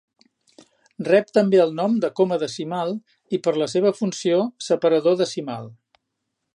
Rep també el nom de coma decimal i, per la seva funció, separador decimal.